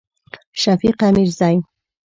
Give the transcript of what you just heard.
شفیق امیرزی